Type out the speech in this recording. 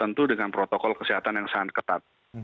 tentu dengan protokol kesehatan yang sangat ketat